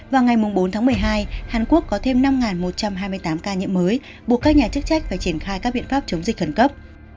vào ngày bốn tháng một mươi hai hàn quốc có thêm năm một trăm hai mươi tám ca nhiễm mới buộc các nhà chức trách phải triển khai các biện pháp chống dịch khẩn cấp